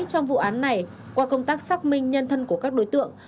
trong vụ án này qua công tác xác minh nhân thân của các đối tượng